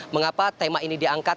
mengapa tema ini diangkat